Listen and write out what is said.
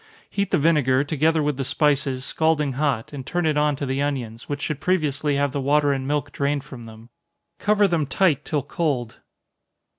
Heat the vinegar, together with the spices, scalding hot, and turn it on to the onions, which should previously have the water and milk drained from them. Cover them tight till cold.